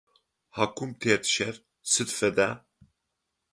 Хьакум тет щэр сыд фэда?